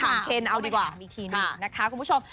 ยังไม่ถามเคนเอาดีกว่าคุณผู้ชมเราไม่ถามอีกทีหนึ่งนะคะ